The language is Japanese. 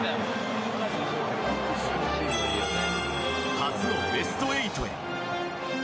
初のベスト８へ。